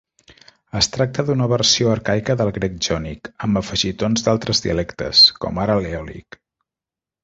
Es tracta d'una versió arcaica del grec jònic, amb afegitons d'altres dialectes, com ara l'eòlic.